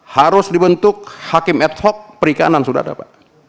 harus dibentuk hakim ad hoc perikanan sudah dapat